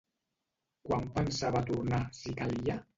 Quan pensava tornar si calia?